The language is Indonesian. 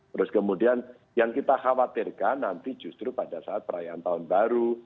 terus kemudian yang kita khawatirkan nanti justru pada saat perayaan tahun baru